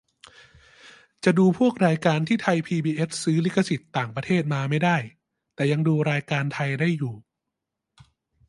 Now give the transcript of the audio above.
จะดูพวกรายการที่ไทยพีบีเอสซื้อลิขสิทธิ์ต่างประเทศมาไม่ได้ แต่ยังดูรายการไทยได้อยู่